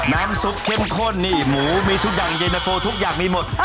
น้ำสุดเข้มข้นหมูมีทุกอย่างเย็นเตอร์โฟล์ทุกอย่างมีหมด